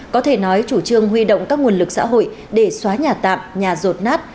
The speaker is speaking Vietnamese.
có thể nói chủ trương huy động các nguồn lực xã hội để xóa nhà tạm nhà rột nát